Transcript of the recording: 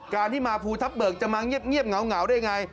การที่มาภูทัพเบิกจะมาเงียบเงาได้อย่างไร